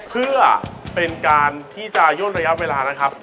เพื่อเป็นการที่จะย่นระยะเวลานะครับ